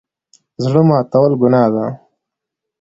زړه ماتول ګناه ده